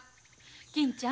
金ちゃん